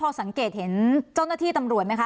พอสังเกตเห็นเจ้าหน้าที่ตำรวจไหมคะ